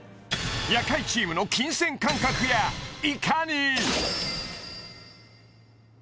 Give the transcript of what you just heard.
夜会チームの金銭感覚やいかに？